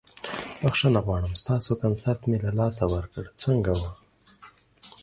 بخښنه غواړم ستاسو کنسرت مې له لاسه ورکړ، څنګه وه؟